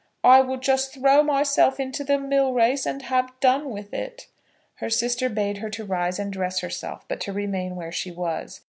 I will just throw myself into the mill race and have done with it." Her sister bade her to rise and dress herself, but to remain where she was.